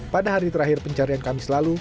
pada hari terakhir pencarian kami selalu